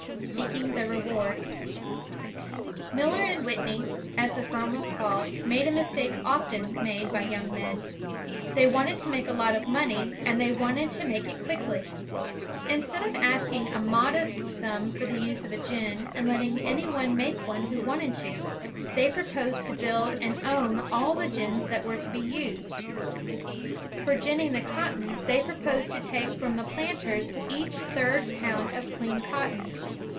Seeking the Reward Miller and Whitney, as the firm was called, made a mistake often made by young men. They wanted to make a lot of money, and they wanted to make it quickly. Instead of asking a modest sum for the use of a gin and letting anyone make one who wanted to, they proposed to build and own all the gins that were to be used. For ginning the cotton, they proposed to take from the planters each third pound of clean cotton.